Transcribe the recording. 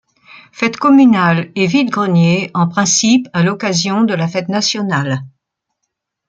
Fête communale et vide-grenier en principe à l'occasion de la Fête Nationale.